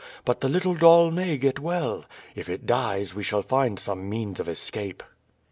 But the little doll may get well. If it dies, we shall find some means of escape."